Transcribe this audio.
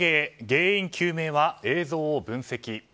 原因究明は映像を分析。